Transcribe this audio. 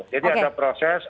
jadi ada proses